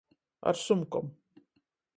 Ar sumkom.